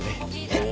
えっ？